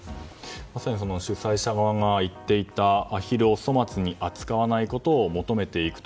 まさに主催者側が言っていたアヒルを粗末に扱わないことを求めていくと。